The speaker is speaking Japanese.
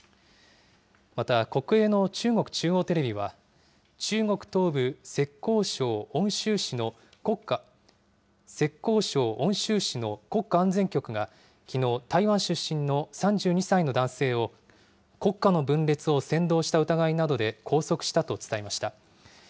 また、国営の中国中央テレビは中国東部、浙江省温州市の国家安全局がきのう台湾出身の３２歳の男性を国家の分裂を扇動した疑いなどで拘束したと伝えました。